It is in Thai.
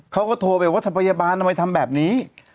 เขาก็โทรไปว่าพยาบาลทำไมทำแบบนี้